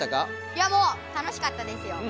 いやもう楽しかったですよ。